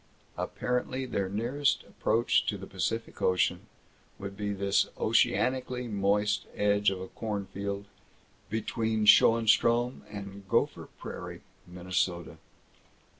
Apparently their nearest approach to the Pacific Ocean would be this oceanically moist edge of a cornfield, between Schoenstrom and Gopher Prairie, Minnesota.